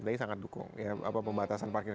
fdi sangat dukung pembatasan parkir